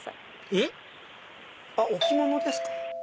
えっ？置物ですか？